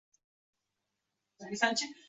bolalar o‘z o‘rindiqlarini egallashdi.